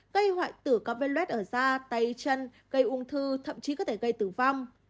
gây hoại tử các velos ở da tay chân gây ung thư thậm chí có thể gây tử vong